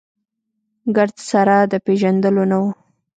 ګرد سره د پېژندلو نه و.